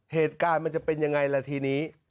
เหตุการณ์มันจะเป็นยังไงล่ะทีนี้